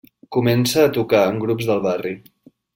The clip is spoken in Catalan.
Comença a tocar en grups del barri.